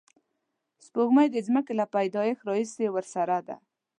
سپوږمۍ د ځمکې له پیدایښت راهیسې ورسره ده